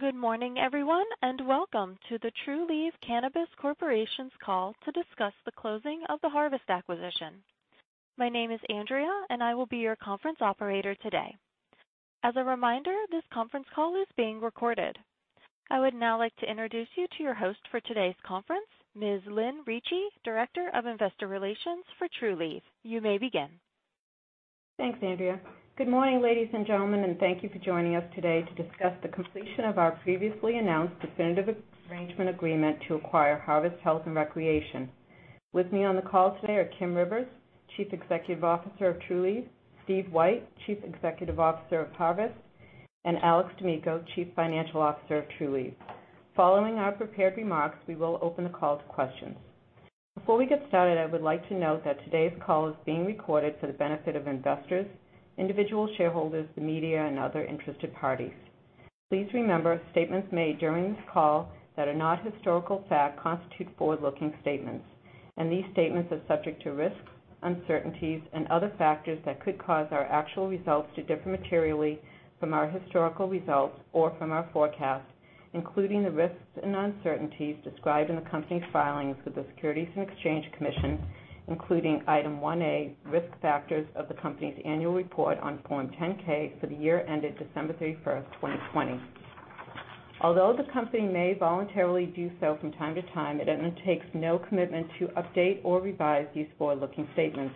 Good morning everyone, and welcome to the Trulieve Cannabis Corp.'s call to discuss the closing of the Harvest acquisition. My name is Andrea, and I will be your conference operator today. As a reminder, this conference call is being recorded. I would now like to introduce you to your host for today's conference, Ms. Lynn Ricci, Director of Investor Relations for Trulieve. You may begin. Thanks, Andrea. Good morning, ladies and gentlemen, and thank you for joining us today to discuss the completion of our previously announced definitive arrangement agreement to acquire Harvest Health & Recreation. With me on the call today are Kim Rivers, Chief Executive Officer of Trulieve, Steve White, Chief Executive Officer of Harvest, and Alex D'Amico, Chief Financial Officer of Trulieve. Following our prepared remarks, we will open the call to questions. Before we get started, I would like to note that today's call is being recorded for the benefit of investors, individual shareholders, the media, and other interested parties. Please remember, statements made during this call that are not historical fact constitute forward-looking statements, and these statements are subject to risks, uncertainties, and other factors that could cause our actual results to differ materially from our historical results or from our forecast, including the risks and uncertainties described in the company's filings with the Securities and Exchange Commission, including Item 1A, Risk Factors of the company's annual report on Form 10-K for the year ended December 31st, 2020. Although the company may voluntarily do so from time to time, it undertakes no commitment to update or revise these forward-looking statements,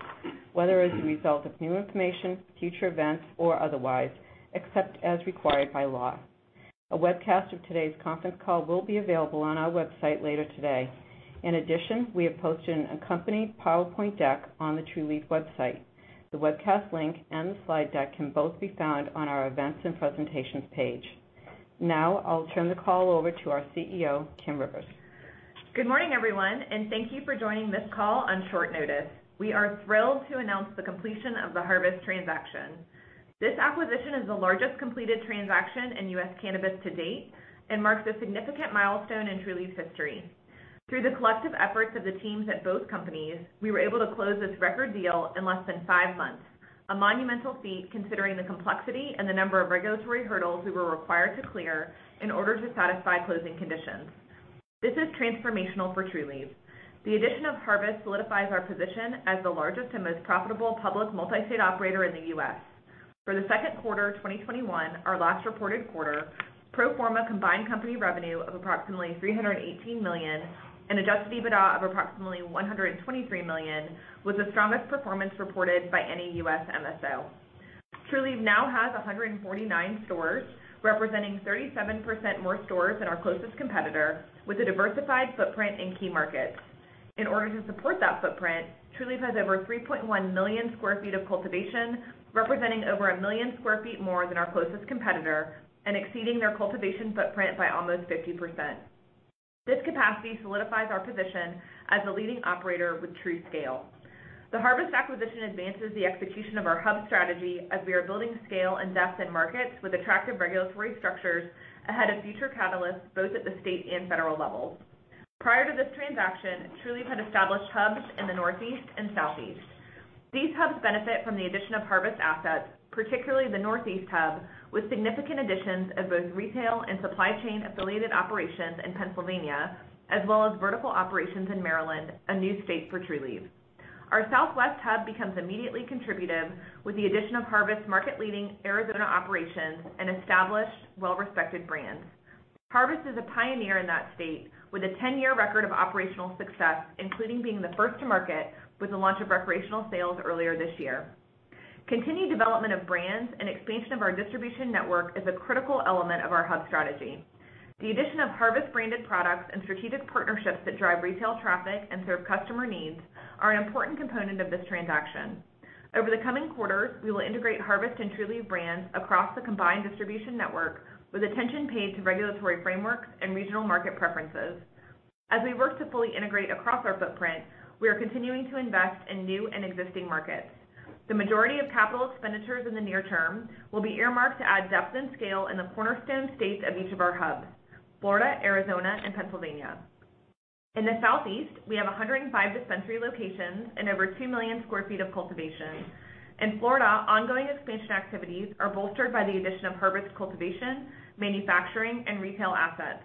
whether as a result of new information, future events, or otherwise, except as required by law. A webcast of today's conference call will be available on our website later today. In addition, we have posted a company PowerPoint deck on the Trulieve website. The webcast link and the slide deck can both be found on our Events and Presentations page. I'll turn the call over to our CEO, Kim Rivers. Good morning, everyone. Thank you for joining this call on short notice. We are thrilled to announce the completion of the Harvest transaction. This acquisition is the largest completed transaction in U.S. cannabis to date, marks a significant milestone in Trulieve's history. Through the collective efforts of the teams at both companies, we were able to close this record deal in less than five months, a monumental feat considering the complexity and the number of regulatory hurdles we were required to clear in order to satisfy closing conditions. This is transformational for Trulieve. The addition of Harvest solidifies our position as the largest and most profitable public multi-state operator in the U.S. For the second quarter 2021, our last reported quarter, pro forma combined company revenue of approximately $318 million, and adjusted EBITDA of approximately $123 million, was the strongest performance reported by any U.S. MSO. Trulieve now has 149 stores, representing 37% more stores than our closest competitor, with a diversified footprint in key markets. In order to support that footprint, Trulieve has over 3.1 million sq ft of cultivation, representing over 1 million sq ft more than our closest competitor, and exceeding their cultivation footprint by almost 50%. This capacity solidifies our position as a leading operator with true scale. The Harvest acquisition advances the execution of our hub strategy as we are building scale and depth in markets with attractive regulatory structures ahead of future catalysts, both at the state and federal levels. Prior to this transaction, Trulieve had established hubs in the Northeast and Southeast. These hubs benefit from the addition of Harvest assets, particularly the Northeast hub, with significant additions of both retail and supply chain-affiliated operations in Pennsylvania, as well as vertical operations in Maryland, a new state for Trulieve. Our Southwest hub becomes immediately contributive with the addition of Harvest's market-leading Arizona operations and established well-respected brands. Harvest is a pioneer in that state, with a 10-year record of operational success, including being the first to market with the launch of recreational sales earlier this year. Continued development of brands and expansion of our distribution network is a critical element of our hub strategy. The addition of Harvest-branded products and strategic partnerships that drive retail traffic and serve customer needs are an important component of this transaction. Over the coming quarters, we will integrate Harvest and Trulieve brands across the combined distribution network, with attention paid to regulatory frameworks and regional market preferences. As we work to fully integrate across our footprint, we are continuing to invest in new and existing markets. The majority of capital expenditures in the near term will be earmarked to add depth and scale in the cornerstone states of each of our hubs, Florida, Arizona, and Pennsylvania. In the Southeast, we have 105 dispensary locations and over 2 million sq ft of cultivation. In Florida, ongoing expansion activities are bolstered by the addition of Harvest cultivation, manufacturing, and retail assets.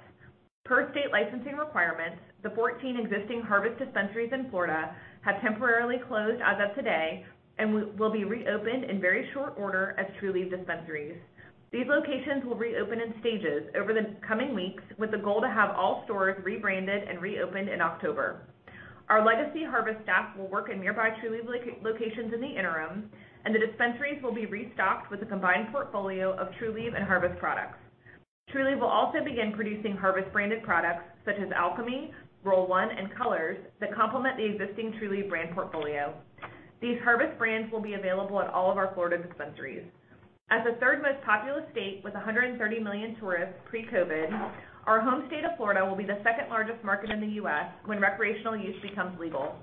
Per state licensing requirements, the 14 existing Harvest dispensaries in Florida have temporarily closed as of today and will be reopened in very short order as Trulieve dispensaries. These locations will reopen in stages over the coming weeks, with the goal to have all stores rebranded and reopened in October. Our legacy Harvest staff will work in nearby Trulieve locations in the interim, and the dispensaries will be restocked with a combined portfolio of Trulieve and Harvest products. Trulieve will also begin producing Harvest-branded products, such as Alchemy, Roll One, and Co2lors, that complement the existing Trulieve brand portfolio. These Harvest brands will be available at all of our Florida dispensaries. As the 3rd most populous state with 130 million tourists pre-COVID, our home state of Florida will be the 2nd-largest market in the U.S. when recreational use becomes legal.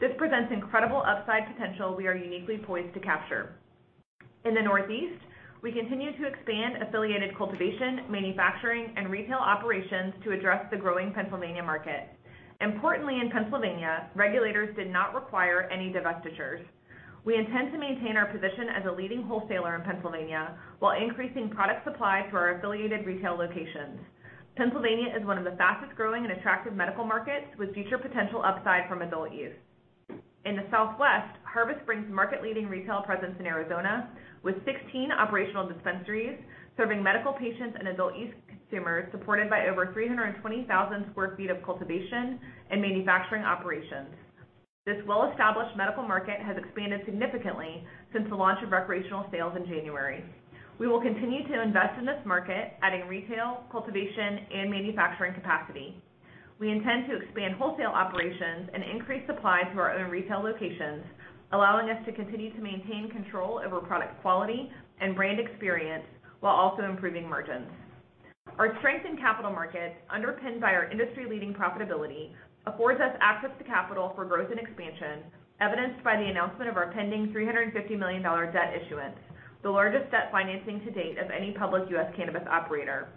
This presents incredible upside potential we are uniquely poised to capture. In the Northeast, we continue to expand affiliated cultivation, manufacturing, and retail operations to address the growing Pennsylvania market. In Pennsylvania, regulators did not require any divestitures. We intend to maintain our position as a leading wholesaler in Pennsylvania, while increasing product supply to our affiliated retail locations. Pennsylvania is one of the fastest-growing and attractive medical markets, with future potential upside from adult use. In the Southwest, Harvest brings market-leading retail presence in Arizona, with 16 operational dispensaries serving medical patients and adult use consumers, supported by over 320,000 sq ft of cultivation and manufacturing operations. This well-established medical market has expanded significantly since the launch of recreational sales in January. We will continue to invest in this market, adding retail, cultivation, and manufacturing capacity. We intend to expand wholesale operations and increase supply to our own retail locations, allowing us to continue to maintain control over product quality and brand experience while also improving margins. Our strength in capital markets, underpinned by our industry-leading profitability, affords us access to capital for growth and expansion, evidenced by the announcement of our pending $350 million debt issuance, the largest debt financing to date of any public U.S. cannabis operator.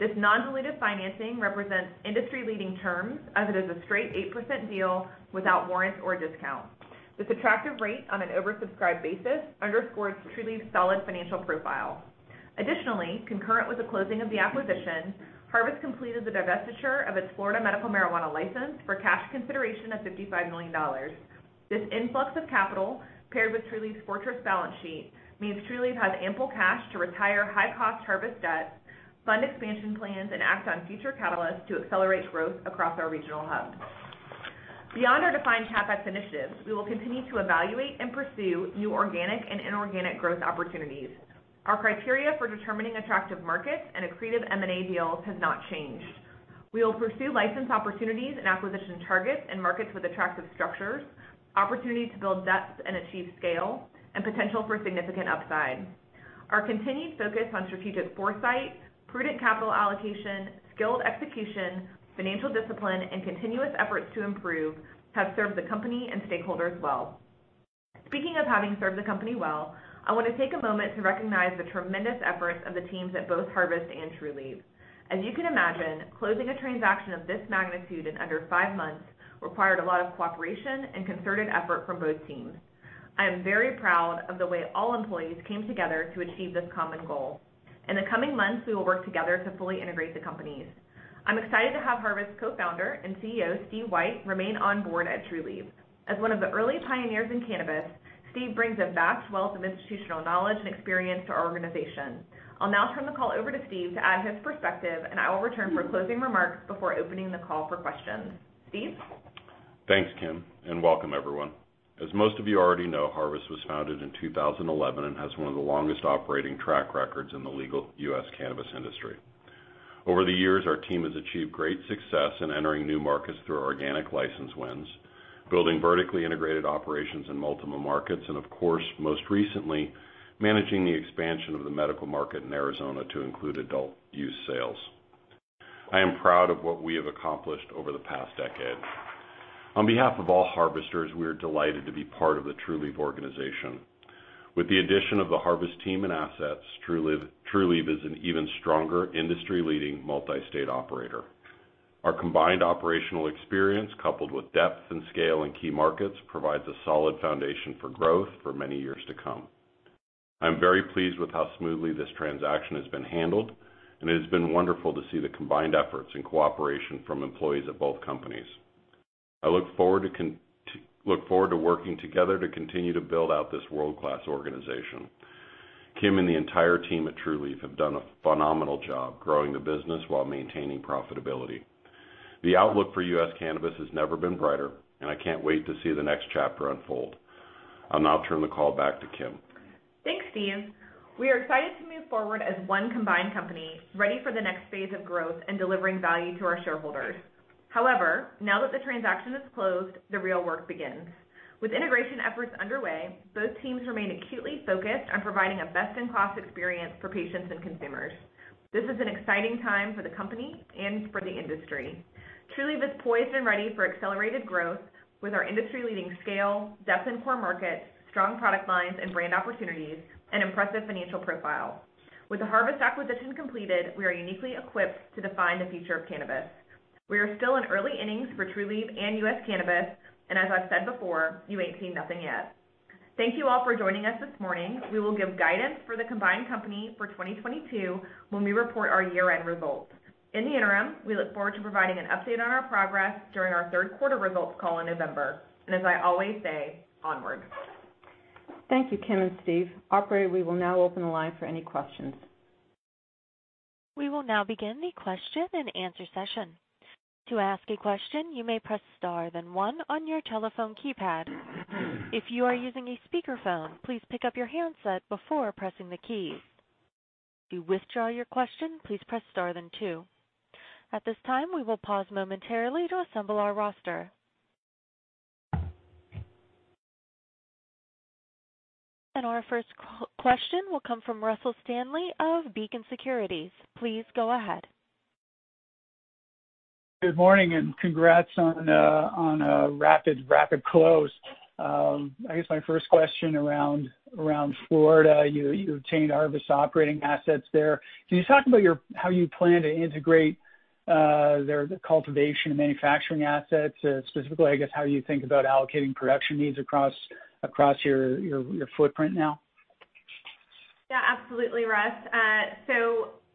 This non-dilutive financing represents industry-leading terms, as it is a straight 8% deal without warrants or discount. This attractive rate on an oversubscribed basis underscores Trulieve's solid financial profile. Additionally, concurrent with the closing of the acquisition, Harvest completed the divestiture of its Florida medical marijuana license for cash consideration of $55 million. This influx of capital, paired with Trulieve's fortress balance sheet, means Trulieve has ample cash to retire high-cost Harvest debt, fund expansion plans, and act on future catalysts to accelerate growth across our regional hubs. Beyond our defined CapEx initiatives, we will continue to evaluate and pursue new organic and inorganic growth opportunities. Our criteria for determining attractive markets and accretive M&A deals has not changed. We will pursue license opportunities and acquisition targets in markets with attractive structures, opportunities to build depth and achieve scale, and potential for significant upside. Our continued focus on strategic foresight, prudent capital allocation, skilled execution, financial discipline, and continuous efforts to improve have served the company and stakeholders well. Speaking of having served the company well, I want to take a moment to recognize the tremendous efforts of the teams at both Harvest and Trulieve. As you can imagine, closing a transaction of this magnitude in under five months required a lot of cooperation and concerted effort from both teams. I am very proud of the way all employees came together to achieve this common goal. In the coming months, we will work together to fully integrate the companies. I'm excited to have Harvest co-founder and CEO, Steve White, remain on board at Trulieve. As one of the early pioneers in cannabis, Steve brings a vast wealth of institutional knowledge and experience to our organization. I'll now turn the call over to Steve to add his perspective, and I will return for closing remarks before opening the call for questions. Steve? Thanks, Kim, and welcome everyone. As most of you already know, Harvest was founded in 2011 and has one of the longest operating track records in the legal U.S. cannabis industry. Over the years, our team has achieved great success in entering new markets through organic license wins, building vertically integrated operations in multiple markets, and of course, most recently, managing the expansion of the medical market in Arizona to include adult use sales. I am proud of what we have accomplished over the past decade. On behalf of all Harvesters, we are delighted to be part of the Trulieve organization. With the addition of the Harvest team and assets, Trulieve is an even stronger industry-leading multi-state operator. Our combined operational experience, coupled with depth and scale in key markets, provides a solid foundation for growth for many years to come. I'm very pleased with how smoothly this transaction has been handled, and it has been wonderful to see the combined efforts and cooperation from employees of both companies. I look forward to working together to continue to build out this world-class organization. Kim and the entire team at Trulieve have done a phenomenal job growing the business while maintaining profitability. The outlook for U.S. cannabis has never been brighter, and I can't wait to see the next chapter unfold. I'll now turn the call back to Kim. Thanks, Steve. We are excited to move forward as one combined company, ready for the next phase of growth and delivering value to our shareholders. However, now that the transaction is closed, the real work begins. With integration efforts underway, both teams remain acutely focused on providing a best-in-class experience for patients and consumers. This is an exciting time for the company and for the industry. Trulieve is poised and ready for accelerated growth with our industry-leading scale, depth in core markets, strong product lines and brand opportunities, and impressive financial profile. With the Harvest acquisition completed, we are uniquely equipped to define the future of cannabis. We are still in early innings for Trulieve and U.S. cannabis, and as I've said before, you ain't seen nothing yet. Thank you all for joining us this morning. We will give guidance for the combined company for 2022 when we report our year-end results. In the interim, we look forward to providing an update on our progress during our third quarter results call in November. As I always say, onward. Thank you, Kim and Steve. Operator, we will now open the line for any questions. We will now begin the question and answer session. To ask a question, you may press star then one on your telephone keypad. If you are using a speakerphone, please pick up your handset before pressing the key. To withdraw your question, please press star then two. At this time, we will pause momentarily to assemble our roster. Our first question will come from Russell Stanley of Beacon Securities. Please go ahead. Good morning. Congratulations on a rapid close. I guess my first question around Florida, you obtained Harvest operating assets there. Can you talk about how you plan to integrate their cultivation and manufacturing assets? Specifically, I guess how you think about allocating production needs across your footprint now? Yeah, absolutely, Russ.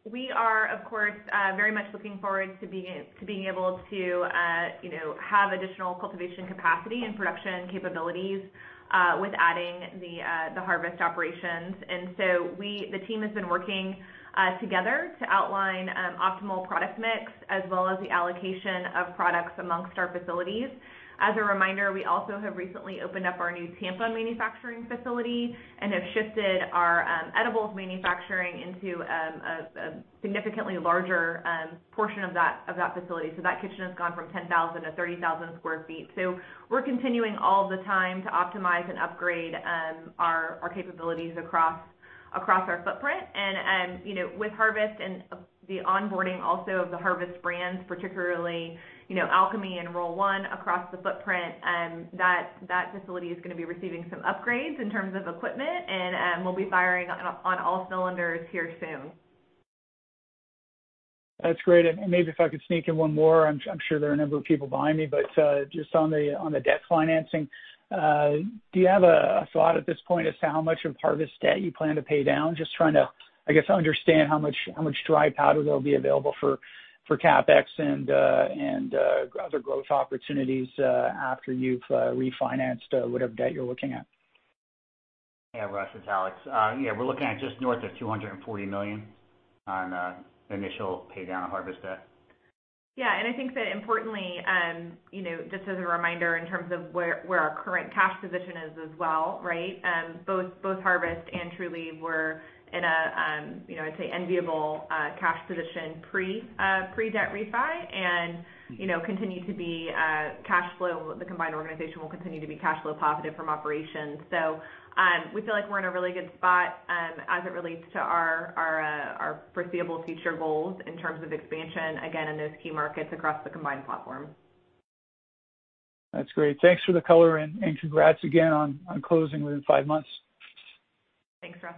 We are, of course, very much looking forward to being able to have additional cultivation capacity and production capabilities with adding the Harvest operations. The team has been working together to outline optimal product mix as well as the allocation of products amongst our facilities. As a reminder, we also have recently opened up our new Tampa manufacturing facility and have shifted our edibles manufacturing into a significantly larger portion of that facility. That kitchen has gone from 10,000 sq ft-30,000 sq ft. We're continuing all the time to optimize and upgrade our capabilities across our footprint. With Harvest and the onboarding also of the Harvest brands, particularly Alchemy and Roll One across the footprint, that facility is going to be receiving some upgrades in terms of equipment, and we'll be firing on all cylinders here soon. That's great. Maybe if I could sneak in one more, I'm sure there are a number of people behind me, but just on the debt financing, do you have a thought at this point as to how much of Harvest debt you plan to pay down? Just trying to, I guess, understand how much dry powder there'll be available for CapEx and other growth opportunities after you've refinanced whatever debt you're looking at. Yeah, Russ, it's Alex. Yeah, we're looking at just north of $240 million on the initial pay down of Harvest debt. Yeah, I think that importantly, just as a reminder in terms of where our current cash position is as well. Both Harvest and Trulieve were in a, I'd say, enviable cash position pre-debt refi and the combined organization will continue to be cash flow positive from operations. We feel like we're in a really good spot as it relates to our foreseeable future goals in terms of expansion, again, in those key markets across the combined platform. That's great. Thanks for the color and congrats again on closing within five months. Thanks, Russ.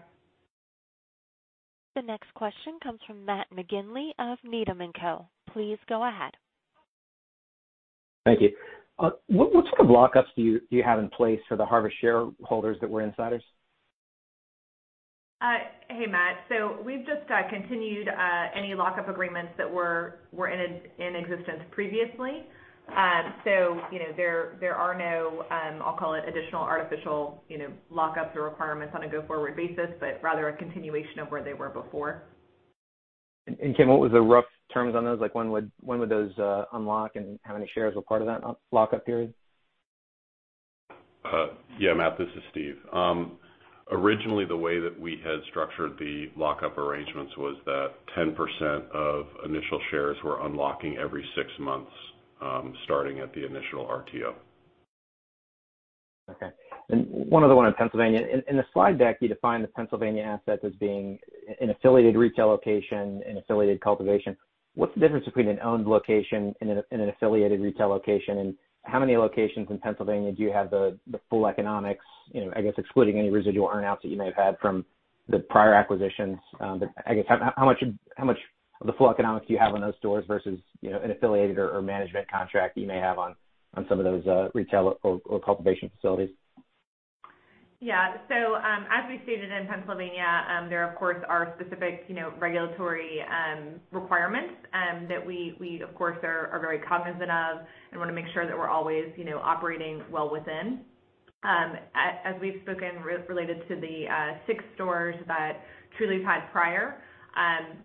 The next question comes from Matt McGinley of Needham & Company. Please go ahead. Thank you. What sort of lockups do you have in place for the Harvest shareholders that were insiders? Hey, Matt. We've just continued any lockup agreements that were in existence previously. There are no, I'll call it, additional artificial lockups or requirements on a go-forward basis, but rather a continuation of where they were before. Kim, what was the rough terms on those? When would those unlock and how many shares were part of that lockup period? Yeah, Matt, this is Steve. Originally, the way that we had structured the lockup arrangements was that 10% of initial shares were unlocking every six months, starting at the initial RTO. Okay. One other one on Pennsylvania. In the slide deck, you define the Pennsylvania assets as being an affiliated retail location, an affiliated cultivation. What's the difference between an owned location and an affiliated retail location, and how many locations in Pennsylvania do you have the full economics, I guess excluding any residual earn-outs that you may have had from the prior acquisitions. I guess, how much of the full economics do you have on those stores versus an affiliated or management contract you may have on some of those retail or cultivation facilities? Yeah. As we stated, in Pennsylvania, there of course are specific regulatory requirements that we, of course, are very cognizant of and want to make sure that we're always operating well within. As we've spoken related to the six stores that Trulieve had prior,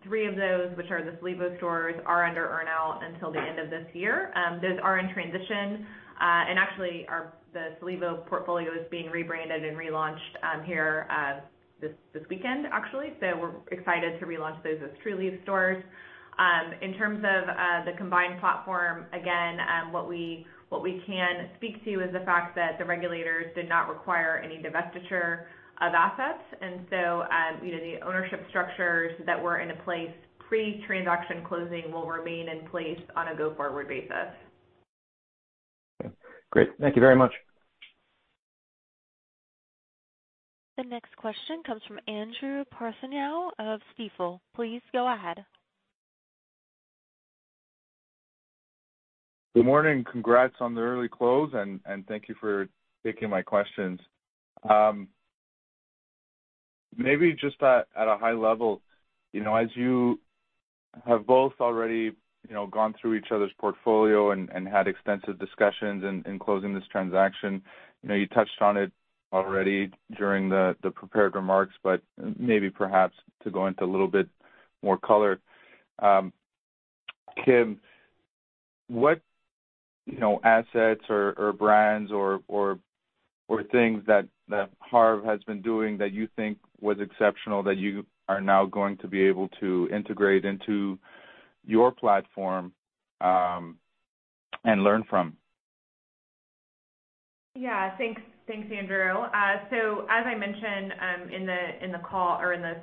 three of those, which are the Solevo stores, are under earn-out until the end of this year. Those are in transition, and actually, the Solevo portfolio is being rebranded and relaunched here this weekend, actually. We're excited to relaunch those as Trulieve stores. In terms of the combined platform, again, what we can speak to is the fact that the regulators did not require any divestiture of assets. The ownership structures that were into place pre-transaction closing will remain in place on a go-forward basis. Okay, great. Thank you very much. The next question comes from Andrew Partheniou of Stifel. Please go ahead. Good morning. Congrats on the early close, thank you for taking my questions. Maybe just at a high level, as you have both already gone through each other's portfolio and had extensive discussions in closing this transaction, you touched on it already during the prepared remarks, but maybe perhaps to go into a little bit more color. Kim, what assets or brands or things that Harvest has been doing that you think was exceptional that you are now going to be able to integrate into your platform and learn from? Yeah. Thanks, Andrew. As I mentioned in the call or in the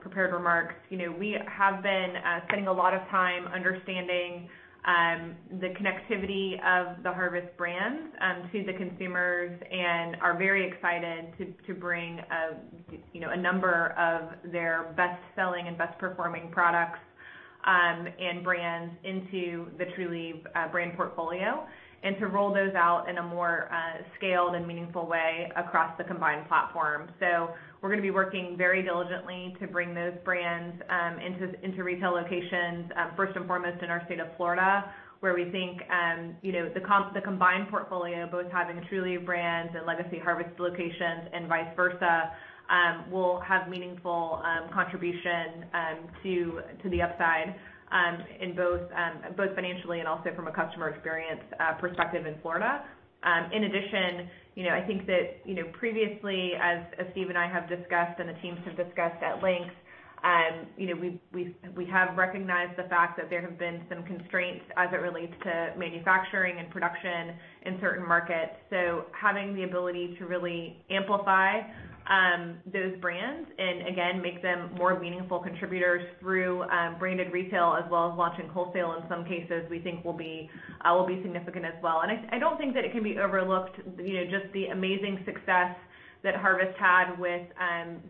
prepared remarks, we have been spending a lot of time understanding the connectivity of the Harvest brands to the consumers and are very excited to bring a number of their best-selling and best-performing products and brands into the Trulieve brand portfolio, and to roll those out in a more scaled and meaningful way across the combined platform. We're going to be working very diligently to bring those brands into retail locations, first and foremost in our state of Florida, where we think the combined portfolio, both having Trulieve brands and legacy Harvest locations and vice versa, will have meaningful contribution to the upside in both financially and also from a customer experience perspective in Florida. I think that previously, as Steve and I have discussed and the teams have discussed at length, we have recognized the fact that there have been some constraints as it relates to manufacturing and production in certain markets. Having the ability to really amplify those brands and, again, make them more meaningful contributors through branded retail as well as launching wholesale in some cases, we think will be significant as well. I don't think that it can be overlooked, just the amazing success that Harvest had with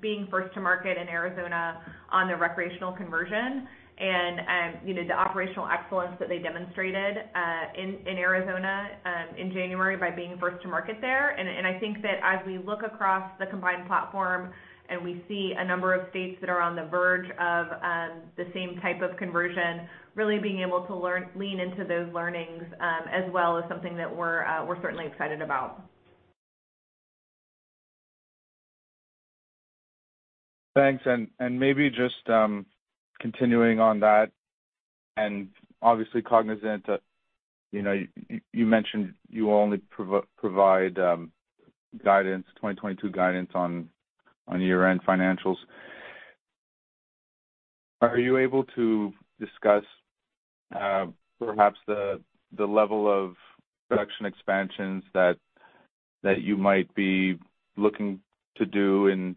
being first to market in Arizona on the recreational conversion, and the operational excellence that they demonstrated in Arizona in January by being first to market there. I think that as we look across the combined platform and we see a number of states that are on the verge of the same type of conversion, really being able to lean into those learnings as well is something that we're certainly excited about. Thanks. Maybe just continuing on that, obviously cognizant that you mentioned you only provide 2022 guidance on year-end financials. Are you able to discuss perhaps the level of production expansions that you might be looking to do in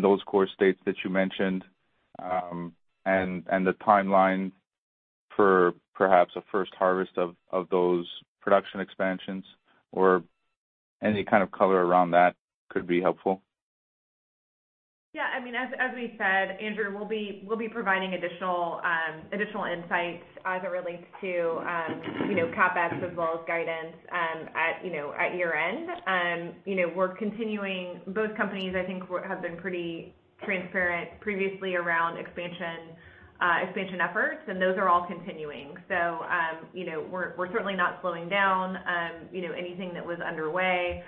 those core states that you mentioned, and the timeline for perhaps a first harvest of those production expansions? Any kind of color around that could be helpful. As we said, Andrew, we'll be providing additional insights as it relates to CapEx as well as guidance at year-end. We're continuing. Both companies, I think, have been pretty transparent previously around expansion efforts, and those are all continuing. We're certainly not slowing down. Anything that was underway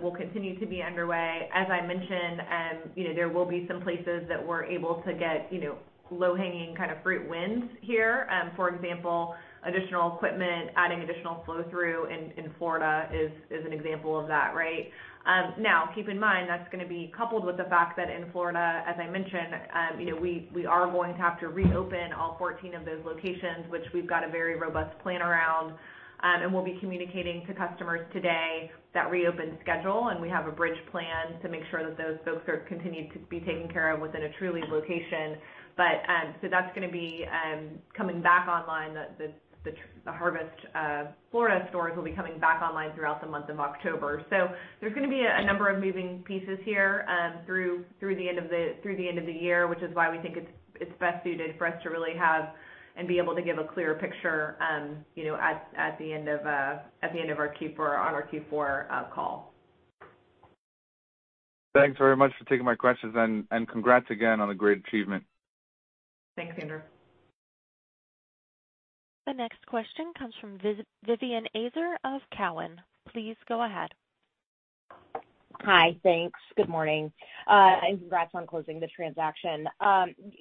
will continue to be underway. As I mentioned, there will be some places that we're able to get low-hanging fruit wins here. For example, additional equipment, adding additional flow-through in Florida is an example of that. Keep in mind, that's going to be coupled with the fact that in Florida, as I mentioned, we are going to have to reopen all 14 of those locations, which we've got a very robust plan around. We'll be communicating to customers today that reopen schedule, and we have a bridge plan to make sure that those folks are continued to be taken care of within a Trulieve location. That's going to be coming back online. The Harvest Florida stores will be coming back online throughout the month of October. There's going to be a number of moving pieces here through the end of the year, which is why we think it's best suited for us to really have and be able to give a clear picture at the end of our Q4 call. Thanks very much for taking my questions, and congrats again on a great achievement. Thanks, Andrew. The next question comes from Vivien Azer of Cowen. Please go ahead. Hi. Thanks. Good morning. Congrats on closing the transaction.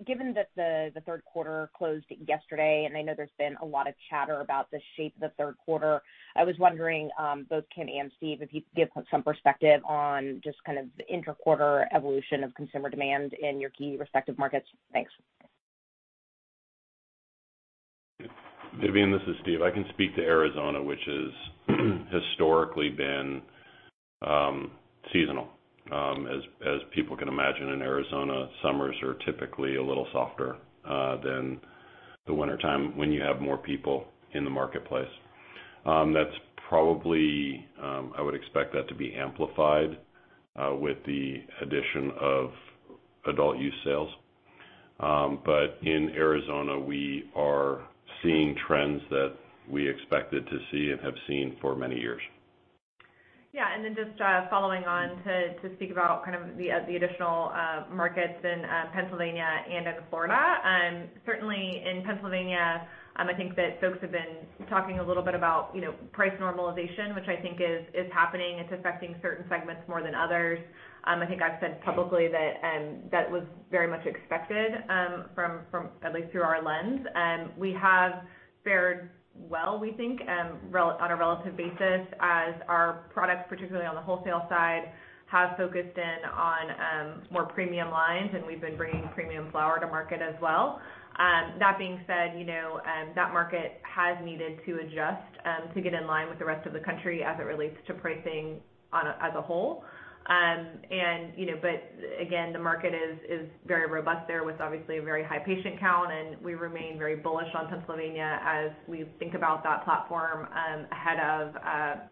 Given that the third quarter closed yesterday, and I know there's been a lot of chatter about the shape of the third quarter, I was wondering, both Kim and Steve, if you could give some perspective on just kind of the inter-quarter evolution of consumer demand in your key respective markets. Thanks. Vivien, this is Steve. I can speak to Arizona, which has historically been seasonal. As people can imagine, in Arizona, summers are typically a little softer than the wintertime when you have more people in the marketplace. I would expect that to be amplified with the addition of adult use sales. In Arizona, we are seeing trends that we expected to see and have seen for many years. Yeah. Just following on to speak about the additional markets in Pennsylvania and in Florida. Certainly in Pennsylvania, I think that folks have been talking a little bit about price normalization, which I think is happening. It's affecting certain segments more than others. I think I've said publicly that was very much expected, at least through our lens. We have fared well, we think, on a relative basis as our products, particularly on the wholesale side, have focused in on more premium lines, and we've been bringing premium flower to market as well. That being said, that market has needed to adjust to get in line with the rest of the country as it relates to pricing as a whole. Again, the market is very robust there with obviously a very high patient count, and we remain very bullish on Pennsylvania as we think about that platform ahead of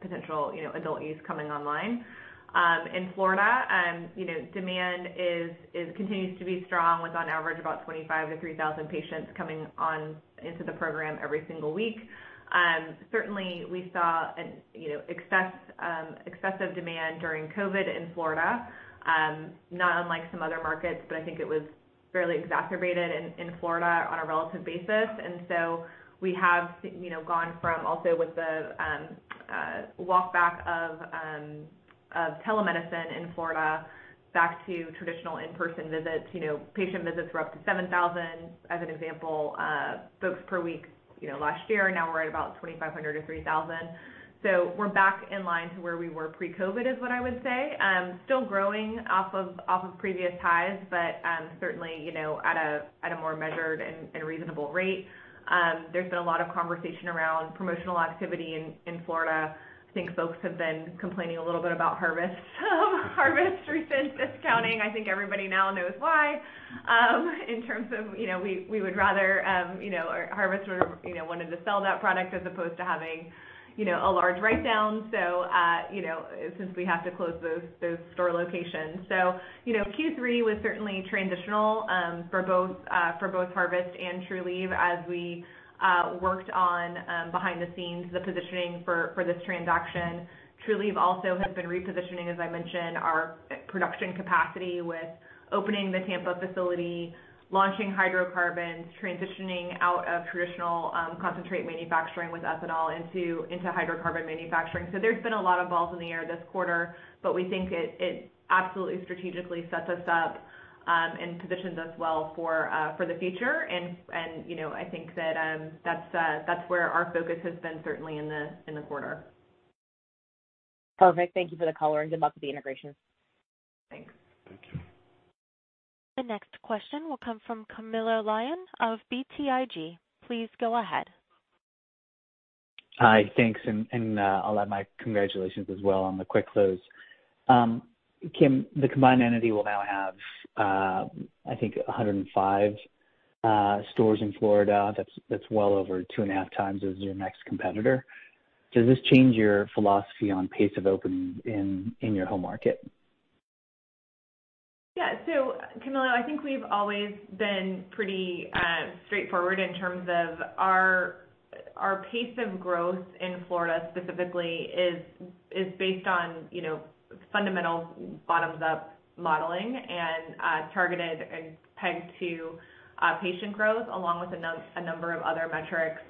potential adult use coming online. In Florida, demand continues to be strong with on average about 2,500-3,000 patients coming into the program every single week. Certainly we saw excessive demand during COVID in Florida, not unlike some other markets, but I think it was fairly exacerbated in Florida on a relative basis. We have gone from also with the walk back of telemedicine in Florida back to traditional in-person visits. Patient visits were up to 7,000, as an example, folks per week last year. Now we're at about 2,500-3,000. We're back in line to where we were pre-COVID, is what I would say. Still growing off of previous highs, but certainly, at a more measured and reasonable rate. There's been a lot of conversation around promotional activity in Florida. I think folks have been complaining a little bit about Harvest recent discounting. I think everybody now knows why. In terms of, we would rather, Harvest wanted to sell that product as opposed to having a large write-down, since we have to close those store locations. Q3 was certainly transitional, for both Harvest and Trulieve as we worked on, behind the scenes, the positioning for this transaction. Trulieve also has been repositioning, as I mentioned, our production capacity with opening the Tampa facility, launching hydrocarbons, transitioning out of traditional concentrate manufacturing with ethanol into hydrocarbon manufacturing. There's been a lot of balls in the air this quarter, but we think it absolutely strategically sets us up, and positions us well for the future. I think that's where our focus has been, certainly in the quarter. Perfect. Thank you for the color, and good luck with the integration. Thanks. Thank you. The next question will come from Camilo Lyon of BTIG. Please go ahead. Hi, thanks. I'll add my congratulations as well on the quick close. Kim, the combined entity will now have, I think, 105 stores in Florida. That's well over two and a half times as your next competitor. Does this change your philosophy on pace of opening in your home market? Camilo, I think we've always been pretty straightforward in terms of our pace of growth in Florida specifically is based on fundamental bottoms-up modeling and targeted and pegged to patient growth, along with a number of other metrics,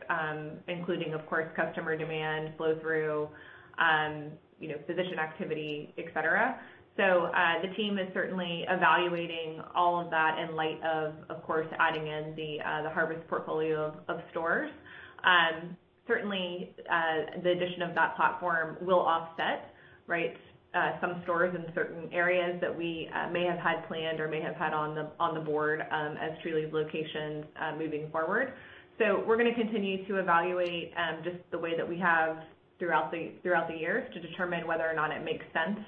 including, of course, customer demand, flow through, physician activity, et cetera. The team is certainly evaluating all of that in light of course, adding in the Harvest portfolio of stores. Certainly, the addition of that platform will offset some stores in certain areas that we may have had planned or may have had on the board, as Trulieve locations moving forward. We're going to continue to evaluate, just the way that we have throughout the years, to determine whether or not it makes sense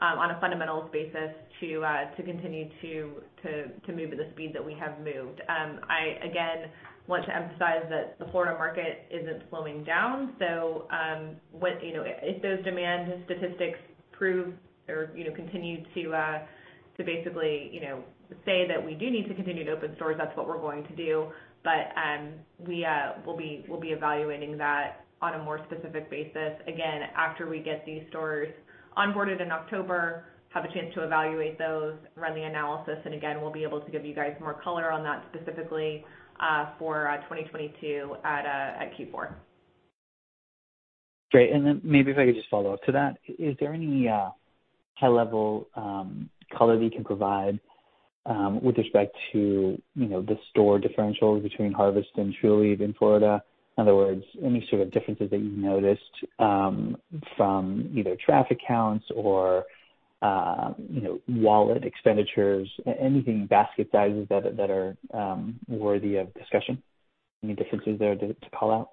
on a fundamentals basis to continue to move at the speed that we have moved. I, again, want to emphasize that the Florida market isn't slowing down. If those demand statistics continue to basically say that we do need to continue to open stores, that's what we're going to do. We'll be evaluating that on a more specific basis, again, after we get these stores onboarded in October, have a chance to evaluate those, run the analysis, and again, we'll be able to give you guys more color on that specifically for 2022 at Q4. Great. Then maybe if I could just follow up to that. Is there any high-level color that you can provide with respect to the store differentials between Harvest and Trulieve in Florida? In other words, any sort of differences that you've noticed from either traffic counts or wallet expenditures, anything, basket sizes, that are worthy of discussion? Any differences there to call out?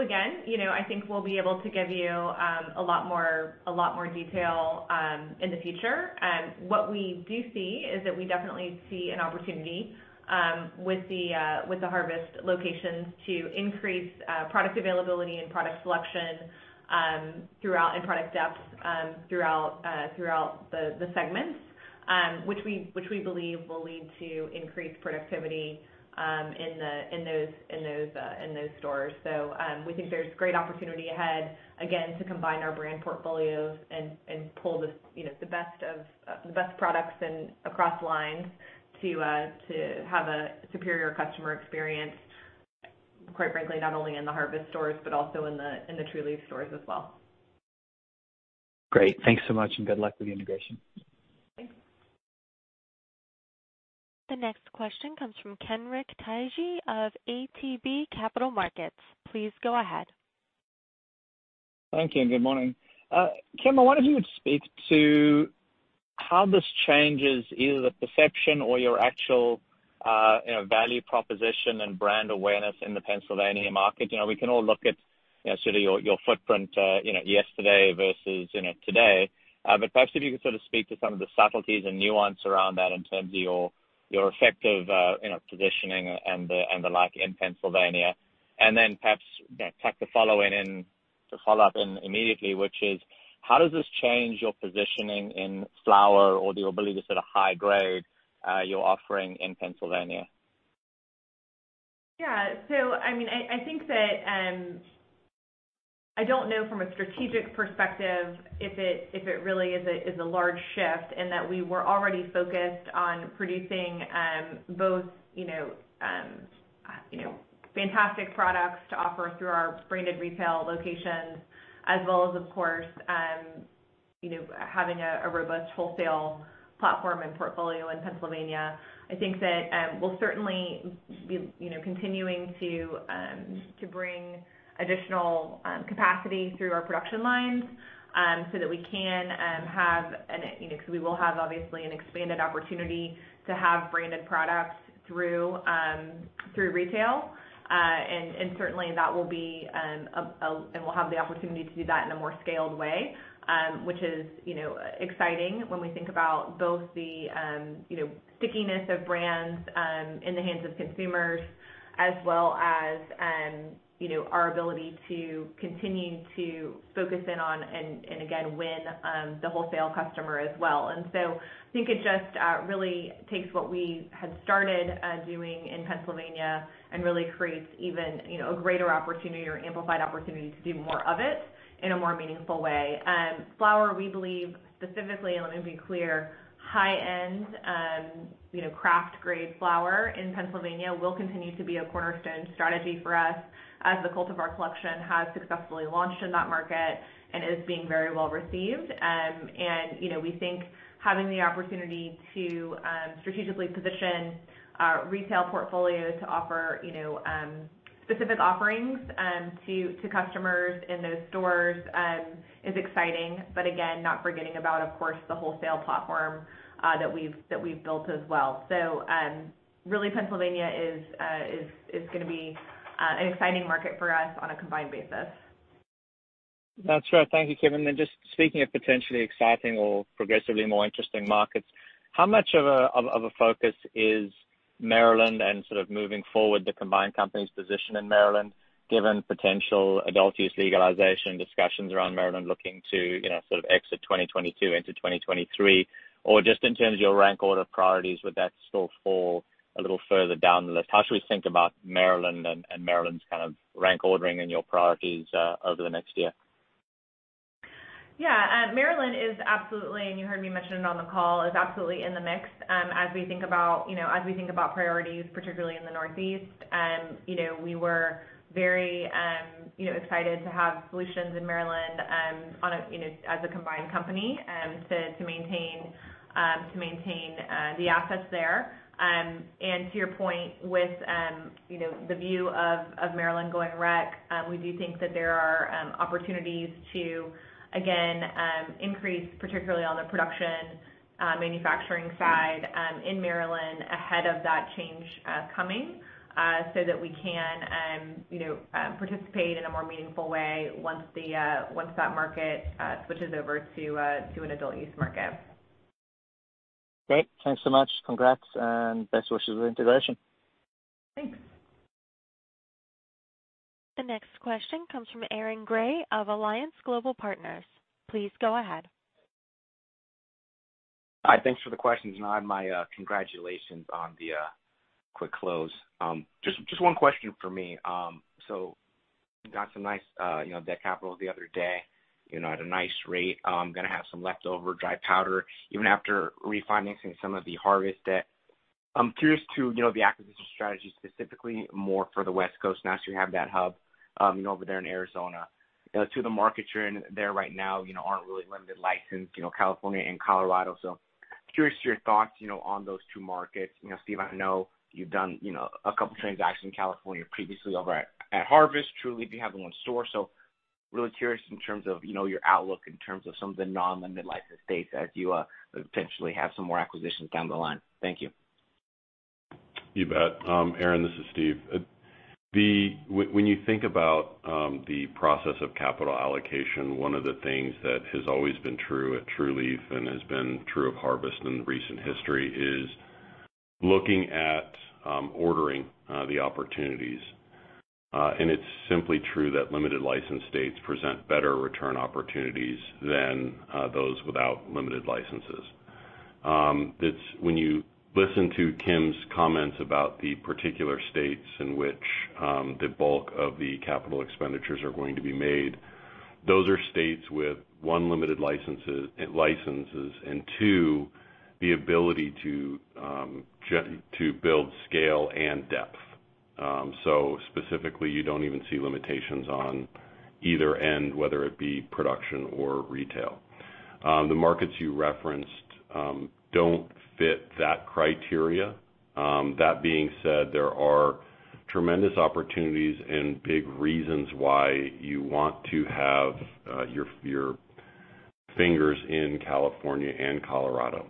Again, I think we'll be able to give you a lot more detail in the future. What we do see is that we definitely see an opportunity with the Harvest locations to increase product availability and product selection and product depth throughout the segments, which we believe will lead to increased productivity in those stores. We think there's great opportunity ahead, again, to combine our brand portfolios and pull the best products and across lines to have a superior customer experience, quite frankly, not only in the Harvest stores, but also in the Trulieve stores as well. Great. Thanks so much, and good luck with the integration. Thanks. The next question comes from Kenric Tyghe of ATB Capital Markets. Please go ahead. Thank you. Good morning. Kim, I wonder if you would speak to how this changes either the perception or your actual value proposition and brand awareness in the Pennsylvania market. We can all look at sort of your footprint yesterday versus today. Perhaps if you could sort of speak to some of the subtleties and nuance around that in terms of your effective positioning and the like in Pennsylvania. Then perhaps tack the follow-in, to follow up immediately, which is how does this change your positioning in flower or your ability to sort of high grade your offering in Pennsylvania? Yeah. I think that, I don't know from a strategic perspective if it really is a large shift in that we were already focused on producing both fantastic products to offer through our branded retail locations as well as, of course, having a robust wholesale platform and portfolio in Pennsylvania. I think that we'll certainly be continuing to bring additional capacity through our production lines so that we can have an expanded opportunity to have branded products through retail. Certainly, we'll have the opportunity to do that in a more scaled way, which is exciting when we think about both the stickiness of brands in the hands of consumers as well as our ability to continue to focus in on, and again, win the wholesale customer as well. I think it just really takes what we had started doing in Pennsylvania and really creates even a greater opportunity or amplified opportunity to do more of it in a more meaningful way. Flower, we believe specifically, and let me be clear, high-end craft grade flower in Pennsylvania will continue to be a cornerstone strategy for us as the Cultivar Collection has successfully launched in that market and is being very well-received. We think having the opportunity to strategically position our retail portfolio to offer specific offerings to customers in those stores is exciting. Again, not forgetting about, of course, the wholesale platform that we've built as well. Really Pennsylvania is going to be an exciting market for us on a combined basis. That's right. Thank you, Kim. Just speaking of potentially exciting or progressively more interesting markets, how much of a focus is Maryland and sort of moving forward the combined company's position in Maryland, given potential adult use legalization discussions around Maryland looking to exit 2022 into 2023? Just in terms of your rank order priorities, would that still fall a little further down the list? How should we think about Maryland and Maryland's kind of rank ordering in your priorities over the next year? Yeah. Maryland is absolutely, and you heard me mention it on the call, is absolutely in the mix. As we think about priorities, particularly in the Northeast, we were very excited to have solutions in Maryland as a combined company to maintain the assets there. To your point with the view of Maryland going rec, we do think that there are opportunities to, again, increase, particularly on the production, manufacturing side in Maryland ahead of that change coming, so that we can participate in a more meaningful way once that market switches over to an adult use market. Great. Thanks so much. Congrats and best wishes with integration. Thanks. The next question comes from Aaron Grey of Alliance Global Partners. Please go ahead. Hi. Thanks for the questions, my congratulations on the quick close. Just one question from me. Got some nice debt capital the other day at a nice rate. Going to have some leftover dry powder even after refinancing some of the Harvest debt. I'm curious to the acquisition strategy, specifically more for the West Coast now that you have that hub over there in Arizona. Two of the markets you're in there right now aren't really limited license, California and Colorado. Curious to your thoughts on those two markets. Steve, I know you've done a couple transactions in California previously over at Harvest. Trulieve, you have the one store. Really curious in terms of your outlook in terms of some of the non-limited license states as you potentially have some more acquisitions down the line. Thank you. You bet. Aaron, this is Steve. When you think about the process of capital allocation, one of the things that has always been true at Trulieve and has been true of Harvest in recent history is looking at ordering the opportunities. It's simply true that limited license states present better return opportunities than those without limited licenses. When you listen to Kim's comments about the particular states in which the bulk of the capital expenditures are going to be made, those are states with, 1, limited licenses, and 2, the ability to build scale and depth. Specifically, you don't even see limitations on either end, whether it be production or retail. The markets you referenced don't fit that criteria. That being said, there are tremendous opportunities and big reasons why you want to have your fingers in California and Colorado.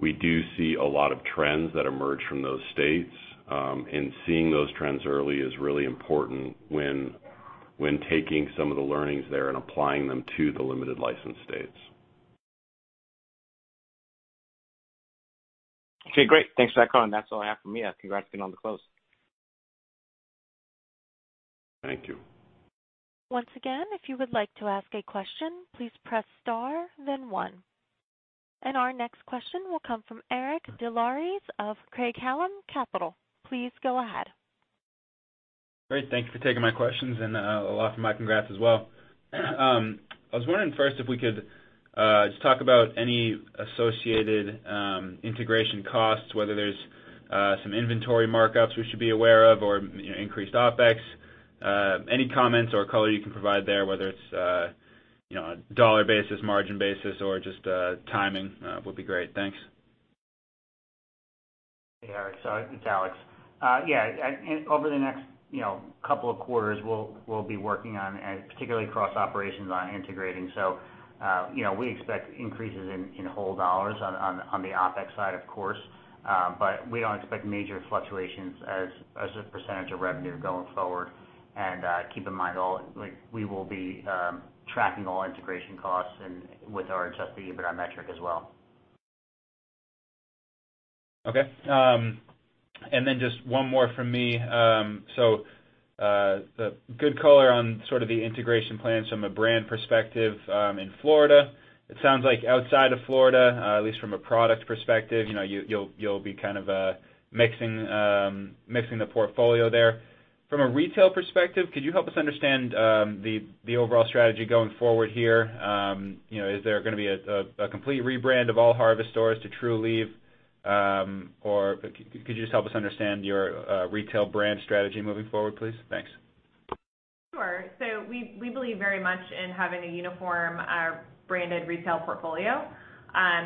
We do see a lot of trends that emerge from those states, and seeing those trends early is really important when taking some of the learnings there and applying them to the limited license states. Okay, great. Thanks for that call. That's all I have for me. Congrats again on the close. Thank you. Once again if would like yo ask a question please press star then one. Our next question will come from Eric Des Lauriers of Craig-Hallum Capital Group. Please go ahead. Great. Thank you for taking my questions, and a lot for Mike and congrats as well. I was wondering first if we could just talk about any associated integration costs, whether there's some inventory markups we should be aware of or increased OpEx. Any comments or color you can provide there, whether it's a dollar basis, margin basis, or just timing would be great. Thanks. Hey, Eric. It's Alex. Yeah. Over the next couple of quarters, we'll be working on, particularly cross operations, on integrating. We expect increases in whole dollars on the OpEx side, of course. We don't expect major fluctuations as a percentage of revenue going forward. Keep in mind, we will be tracking all integration costs and with our adjusted EBITDA metric as well. Okay. Just one more from me. Good color on sort of the integration plans from a brand perspective, in Florida. It sounds like outside of Florida, at least from a product perspective, you'll be kind of mixing the portfolio there. From a retail perspective, could you help us understand the overall strategy going forward here? Is there going to be a complete rebrand of all Harvest stores to Trulieve? Could you just help us understand your retail brand strategy moving forward, please? Thanks. Sure. We believe very much in having a uniform branded retail portfolio.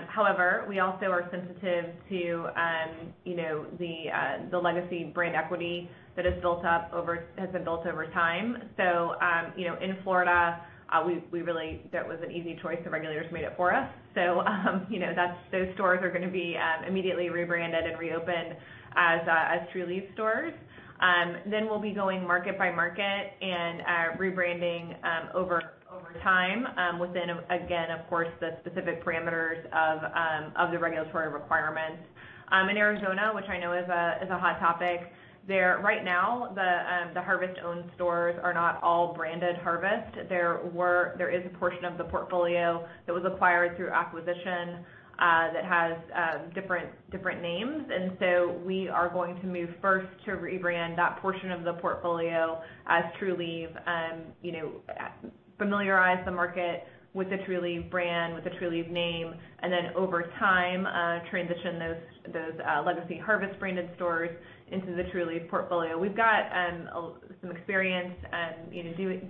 However, we also are sensitive to the legacy brand equity that has been built over time. In Florida, that was an easy choice. The regulators made it for us. Those stores are going to be immediately rebranded and reopened as Trulieve stores. We'll be going market by market and rebranding over time, within, again, of course, the specific parameters of the regulatory requirements. In Arizona, which I know is a hot topic, right now the Harvest-owned stores are not all branded Harvest. There is a portion of the portfolio that was acquired through acquisition, that has different names. We are going to move first to rebrand that portion of the portfolio as Trulieve, familiarize the market with the Trulieve brand, with the Trulieve name, and then over time, transition those legacy Harvest-branded stores into the Trulieve portfolio. We've got some experience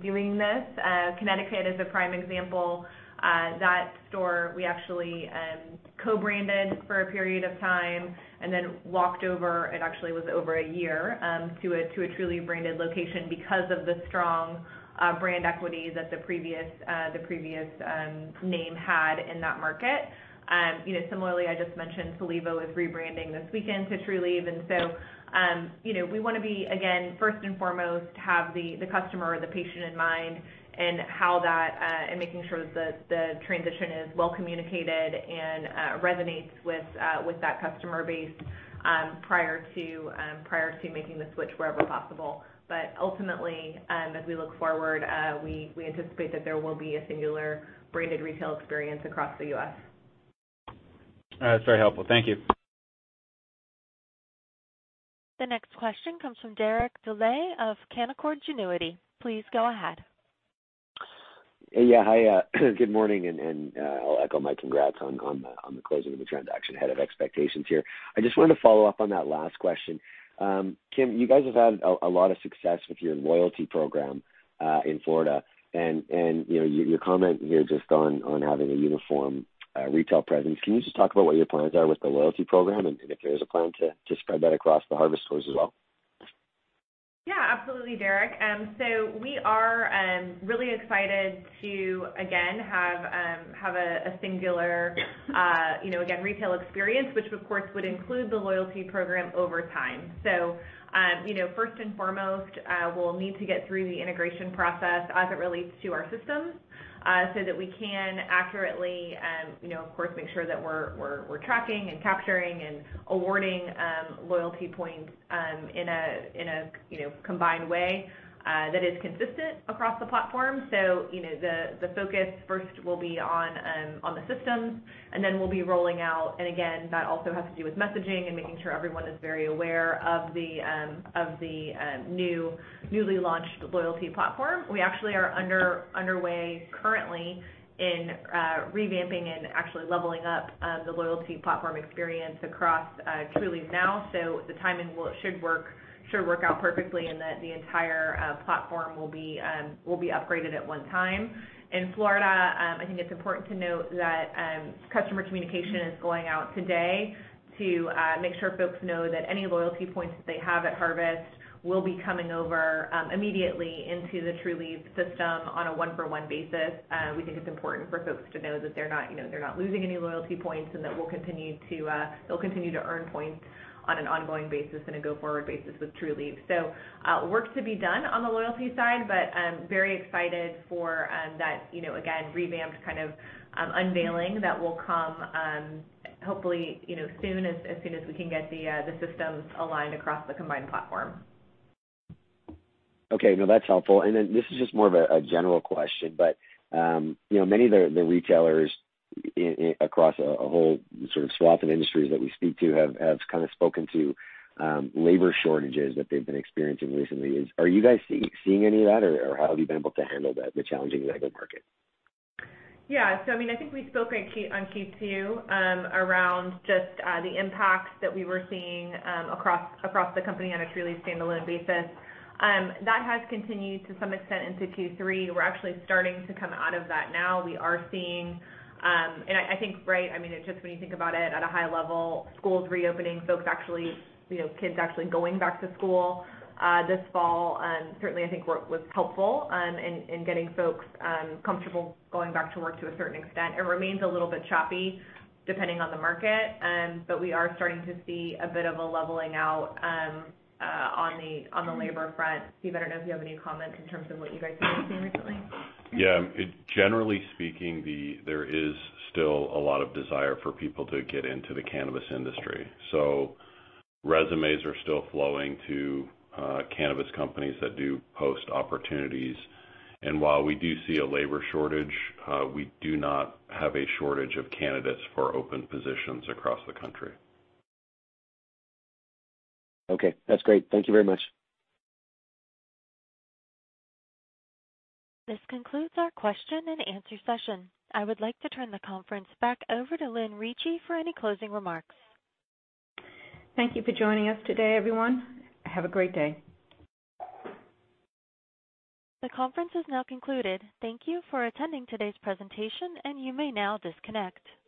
doing this. Connecticut is a prime example. That store, we actually co-branded for a period of time and then walked over, it actually was over one year, to a Trulieve-branded location because of the strong brand equity that the previous name had in that market. Similarly, I just mentioned, Solevo is rebranding this weekend to Trulieve. We want to, again, first and foremost, have the customer or the patient in mind and making sure that the transition is well communicated and resonates with that customer base prior to making the switch wherever possible. Ultimately, as we look forward, we anticipate that there will be a singular branded retail experience across the U.S. That's very helpful. Thank you. The next question comes from Derek Dley of Canaccord Genuity. Please go ahead. Yeah. Hi. Good morning, and I'll echo Mike. Congrats on the closing of the transaction. Ahead of expectations here. I just wanted to follow up on that last question. Kim, you guys have had a lot of success with your loyalty program, in Florida, and your comment here just on having a uniform retail presence. Can you just talk about what your plans are with the loyalty program and if there is a plan to spread that across the Harvest stores as well? Yeah. Absolutely, Derek. We are really excited to, again, have a singular retail experience, which, of course, would include the loyalty program over time. First and foremost, we'll need to get through the integration process as it relates to our systems, so that we can accurately, of course, make sure that we're tracking and capturing and awarding loyalty points in a combined way that is consistent across the platform. The focus first will be on the systems, and then we'll be rolling out. Again, that also has to do with messaging and making sure everyone is very aware of the newly launched loyalty platform. We actually are underway currently in revamping and actually leveling up the loyalty platform experience across Trulieve now. The timing should work out perfectly in that the entire platform will be upgraded at one time. In Florida, I think it's important to note that customer communication is going out today to make sure folks know that any loyalty points that they have at Harvest will be coming over immediately into the Trulieve system on a one-for-one basis. We think it's important for folks to know that they're not losing any loyalty points and that they'll continue to earn points on an ongoing basis and a go-forward basis with Trulieve. Work to be done on the loyalty side, but I'm very excited for that revamped kind of unveiling that will come, hopefully, soon, as soon as we can get the systems aligned across the combined platform. Okay. No, that's helpful. This is just more of a general question, but many of the retailers across a whole sort of swath of industries that we speak to have kind of spoken to labor shortages that they've been experiencing recently. Are you guys seeing any of that, or how have you been able to handle the challenging labor market? Yeah. I think we spoke on Q2, around just the impacts that we were seeing across the company on a Trulieve standalone basis. That has continued to some extent into Q3. We're actually starting to come out of that now. We are seeing, and I think, right, just when you think about it at a high level, schools reopening, kids actually going back to school, this fall certainly I think was helpful in getting folks comfortable going back to work to a certain extent. It remains a little bit choppy depending on the market. We are starting to see a bit of a leveling out on the labor front. Steve, I don't know if you have any comments in terms of what you guys have been seeing recently. Yeah. Generally speaking, there is still a lot of desire for people to get into the cannabis industry. Resumes are still flowing to cannabis companies that do post opportunities. While we do see a labor shortage, we do not have a shortage of candidates for open positions across the country. Okay. That's great. Thank you very much. This concludes our question and answer session. I would like to turn the conference back over to Lynn Ricci for any closing remarks. Thank you for joining us today, everyone. Have a great day. The conference is now concluded. Thank you for attending today's presentation, and you may now disconnect.